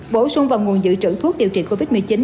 bổ sung vào nguồn dự trữ thuốc điều trị covid một mươi chín